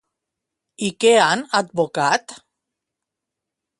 I què han advocat?